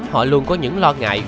họ luôn có những lo ngại